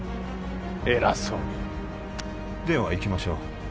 偉そうにではいきましょう